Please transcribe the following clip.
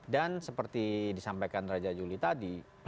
dan seperti disampaikan raja juli tadi